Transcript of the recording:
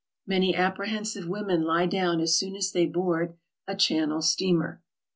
Many apprehensive women lie down as soon as they bcxard a Channel steamer.